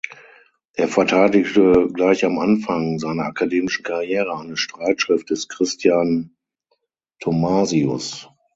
Er verteidigte gleich am Anfang seiner akademischen Karriere eine Streitschrift des Christian Thomasius.